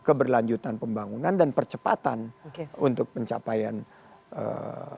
adalah keberlanjutan pembangunan dan percepatan untuk pencapaian eee